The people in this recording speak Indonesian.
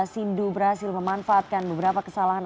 sindu berhasil memanfaatkan beberapa kesalahan